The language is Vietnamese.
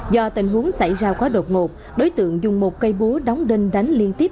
do tình huống xảy ra quá đột ngột đối tượng dùng một cây búa đóng đinh đánh liên tiếp